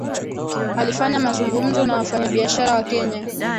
Alifanya mazungumzo na wafanyabiashara wa Kenya